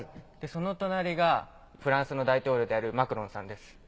その隣がフランスの大統領であるマクロンさんです。